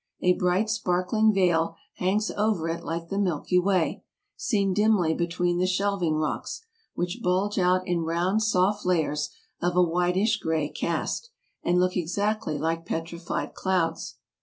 A bright sparkling vail hangs over it like the Milky Way, seen dimly between the shelving rocks, which bulge out in round, soft layers, of a whitish gray cast, and look exactly like petrified clouds.